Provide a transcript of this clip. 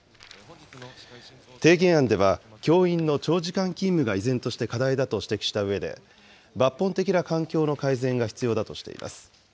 提言案では、教員の長時間勤務が依然として課題だと指摘したうえで、抜本的な環境の改善が必要だとしています。